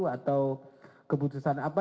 atau keputusan apa